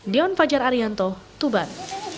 dion fajar arianto tuban